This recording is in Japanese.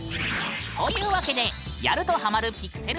というわけでやるとハマるピクセル